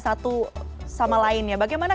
satu sama lainnya bagaimana